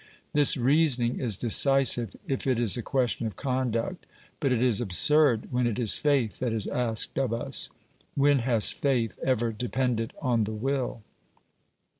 This reasoning is decisive if it is a question of conduct, but it is absurd when it is faith that is asked of us. When has faith ever depended on the will